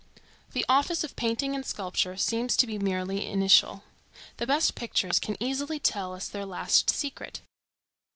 The office of painting and sculpture seems to be merely initial. The best pictures can easily tell us their last secret.